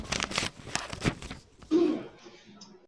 Sifa kwa Yesu wangu